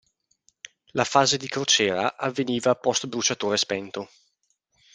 La fase di crociera avveniva a postbruciatore spento.